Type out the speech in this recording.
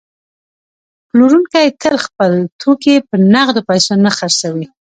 پلورونکی تل خپل توکي په نغدو پیسو نه خرڅوي